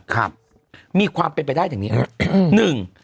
ครับมีความเป็นไปได้อย่างเนี้ยฮะอืมหนึ่ง